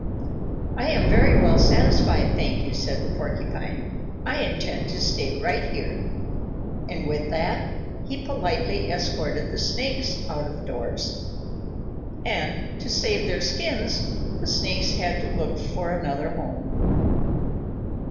"I am very well satisfied, thank you," said the Porcupine. "I intend to stay right here." And with that, he politely escorted the Snakes out of doors. And to save their skins, the Snakes had to look for another home.